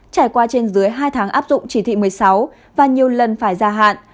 trải qua trên dưới hai tháng áp dụng chỉ thị một mươi sáu và nhiều lần phải gia hạn